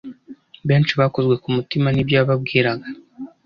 benshi bakozwe ku mutima n’ibyo yababwiraga